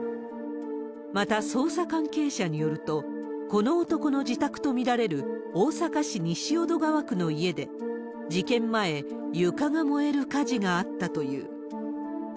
また、捜査関係者によると、この男の自宅と見られる大阪市西淀川区の家で、事件前、床が燃える火事があったという。